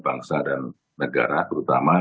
bangsa dan negara terutama